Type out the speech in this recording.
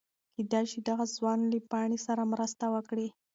کېدی شي دغه ځوان له پاڼې سره مرسته وکړي.